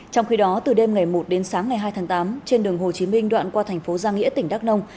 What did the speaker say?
trong khi đó từ đêm ngày một đến sáng ngày hai tháng tám trên đường hồ chí minh đoạn qua thành phố giang nghĩa tỉnh đắk nông